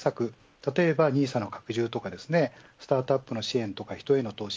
例えばＮＩＳＡの拡充とかスタートアップの支援とか人への投資